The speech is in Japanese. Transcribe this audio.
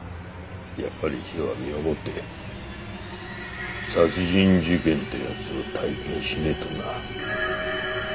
やっぱり一度は身をもって殺人事件ってやつを体験しねえとな。